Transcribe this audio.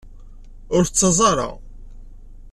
Ur d-ttaẓ ara.